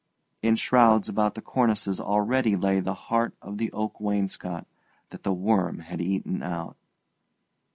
In shrouds about the cornices already lay the heart of the oak wainscot that the worm had eaten out.